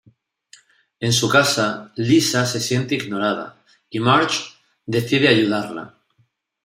En su casa, Lisa se siente ignorada y Marge decide ayudarla.